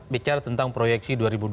bicara tentang proyeksi dua ribu dua puluh